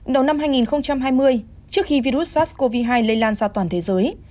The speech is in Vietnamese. đầu năm hai nghìn hai mươi trước khi virus sars cov hai lây lan ra toàn thế giới